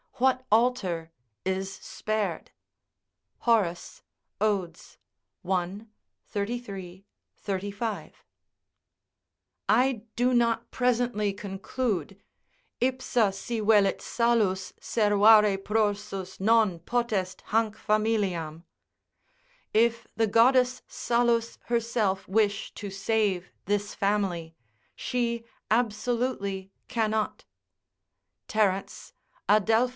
What altar is spared?" Horace, Od., i. 33, 35] I do not presently conclude, "Ipsa si velit Salus, Servare prorsus non potest hanc familiam;" ["If the goddess Salus herself wish to save this family, she absolutely cannot" Terence, Adelph.